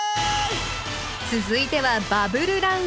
続いては「バブルランウェイ」。